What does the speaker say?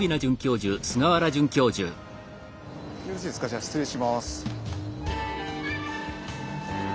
じゃあ失礼します。